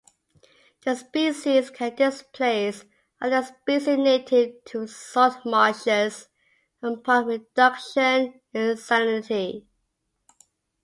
The species can displace other species native to salt marshes upon reduction in salinity.